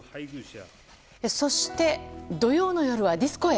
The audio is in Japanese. そして、土曜の夜はディスコへ。